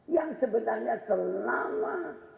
yang sebenarnya selama